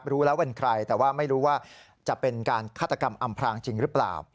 รู้แล้วเป็นใครแต่ว่าไม่รู้ว่าจะเป็นการฆาตกรรมอำพลางจริงหรือเปล่า